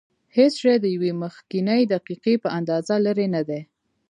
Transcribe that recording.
هېڅ شی د یوې مخکنۍ دقیقې په اندازه لرې نه دی.